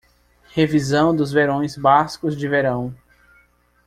Revisão dos verões bascos de verão.